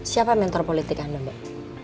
siapa mentor politik anda mbak